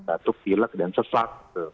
atau filak dan sesak